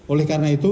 oleh karena itu